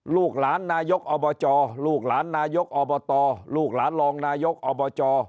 ลูกหลานนายกอบจลูกหลานนายกอบตลูกหลานรองนายกอบจ